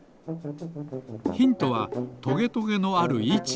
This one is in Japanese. ヒントはトゲトゲのあるいち。